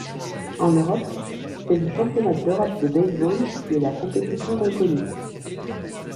En Europe, c'est le Championnat d'Europe de baseball qui est la compétition reconnue.